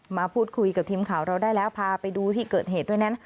มาพูดคุยกับทีมข่าวเราได้แล้วพาไปดูที่เกิดเหตุด้วยนั้น